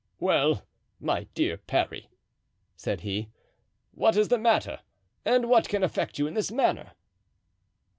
"Well, my dear Parry," said he, "what is the matter, and what can affect you in this manner?"